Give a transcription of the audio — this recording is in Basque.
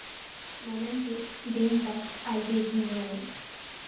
Momentuz, behintzat, alde egin nuen.